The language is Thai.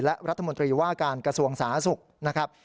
และรัฐมนตรีว่าการกระทรวงสาธารณสุขนะครับ